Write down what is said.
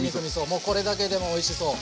もうこれだけでもおいしそう。